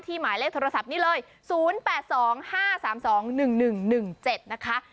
หมายเลขโทรศัพท์นี้เลย๐๘๒๕๓๒๑๑๑๑๗นะคะ